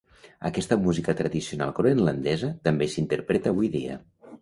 Aquesta música tradicional groenlandesa també s'interpreta avui dia.